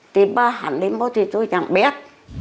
thì bà hắn đi mua thì tôi chẳng biết